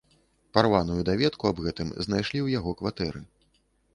Парваную даведку аб гэтым знайшлі ў яго кватэры.